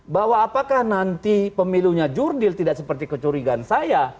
bahwa apakah nanti pemilunya jurdil tidak seperti kecurigaan saya